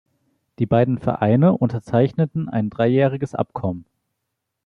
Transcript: Die beiden Vereine unterzeichneten ein dreijähriges Abkommen.